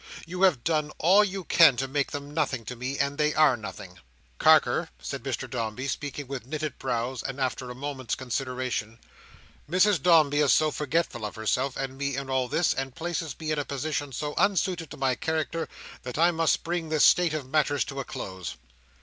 You have done all you can to make them nothing to me, and they are nothing." "Carker," said Mr Dombey, speaking with knitted brows, and after a moment's consideration, "Mrs Dombey is so forgetful of herself and me in all this, and places me in a position so unsuited to my character, that I must bring this state of matters to a close."